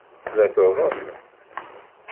Tella tuḍen.